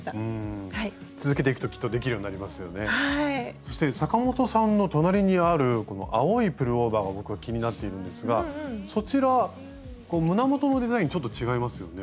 そして阪本さんの隣にあるこの青いプルオーバーが僕は気になっているんですがそちら胸元のデザインちょっと違いますよね？